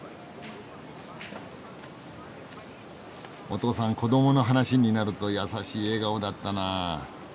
お父さん子どもの話になると優しい笑顔だったなあ。